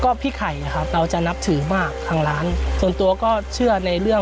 ปู่พญานาคที่อยู่ในกลางบ่อน้ำคือมีน้องสาวฝันเห็นท่านมาไหว้อยู่ในกล่อง